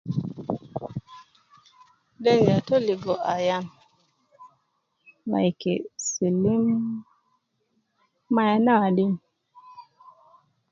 Den yatu ligo Ayan like silim ma AYANA wadin